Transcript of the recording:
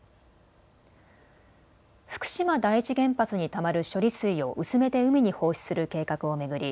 福島第一原発にたまる処理水を薄めて海に放出する計画を巡り